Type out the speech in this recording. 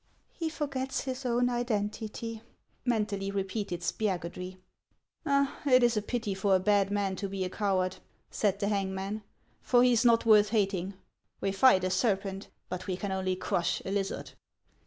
" He forgets his own identity !" mentally repeated Spiagudry. " It 's a pity for a bad man to be a coward," said the hangman ;" for he 's not wortli hating. We fight a ser pent, but we can only crush a lizard."